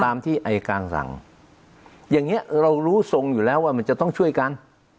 ตามที่อายการสั่งอย่างเงี้ยเรารู้ทรงอยู่แล้วว่ามันจะต้องช่วยกัน